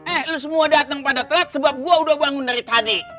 eh lu semua datang pada telak sebab gue udah bangun dari tadi